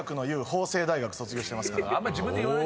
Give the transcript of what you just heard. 法政大学卒業してますから。